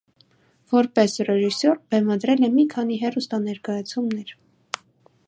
Որպես ռեժիսոր, բեմադրել է մի քանի հեռուստաներկայացումներ։